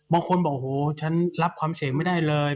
บางคนบอกโอ้โหฉันรับความเสี่ยงไม่ได้เลย